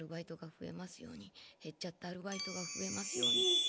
へっちゃったアルバイトがふえますように。